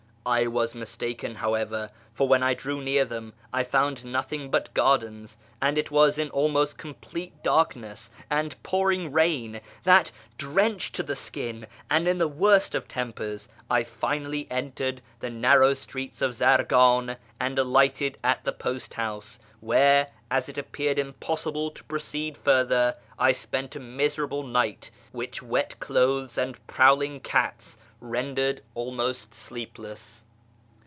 I was mistaken, however, for when I drew near them I found nothing but gardens ; and it was in almost complete darkness and pouring rain that, drenched to ithe skin, and in the worst of tempers, I finally entered the narrow streets of Zargan, and alighted at the post house, where (as it appeared impossible to proceed further), I spent a miserable night, which wet clothes and prowling cats rendered almost sleepless.